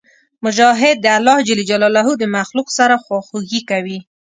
مجاهد د الله د مخلوق سره خواخوږي کوي.